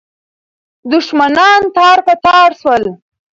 دښمنان تار په تار سول.